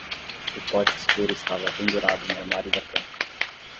O pote escuro estava pendurado no armário da frente.